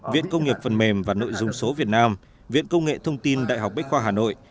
viện công nghiệp phần mềm và nội dung số việt nam viện công nghệ thông tin đại học bách khoa hà nội